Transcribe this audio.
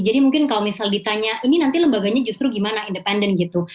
jadi mungkin kalau misal ditanya ini nanti lembaganya justru gimana independen gitu